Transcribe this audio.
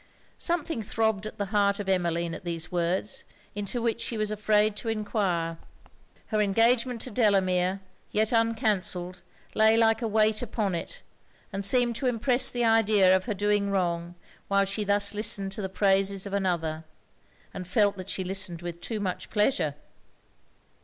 Something throbbed at the heart of Emmeline at these words, into which she was afraid to enquire: her engagement to Delamere, yet uncancelled, lay like a weight upon it; and seemed to impress the idea of her doing wrong while she thus listened to the praises of another; and felt that she listened with too much pleasure!